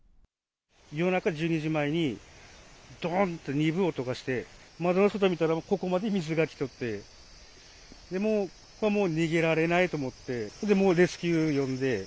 夜中１２時前に、どんって鈍い音がして、窓の外見たらここまで水が来ておって、で、もう、逃げられないと思って、もう、レスキュー呼んで。